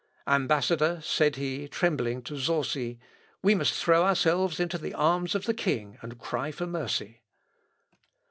"Ambassador," said he trembling to Zorsi, "we must throw ourselves into the arms of the king, and cry for mercy."